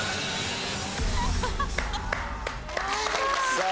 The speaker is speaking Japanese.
さあ